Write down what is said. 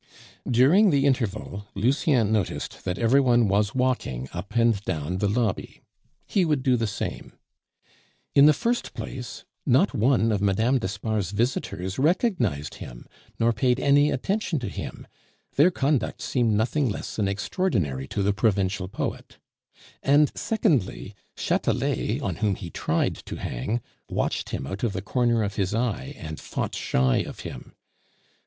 During the interval Lucien noticed that every one was walking up and down the lobby. He would do the same. In the first place, not one of Mme. d'Espard's visitors recognized him nor paid any attention to him, their conduct seemed nothing less than extraordinary to the provincial poet; and, secondly, Chatelet, on whom he tried to hang, watched him out of the corner of his eye and fought shy of him.